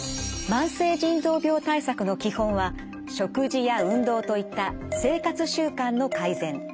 慢性腎臓病対策の基本は食事や運動といった生活習慣の改善。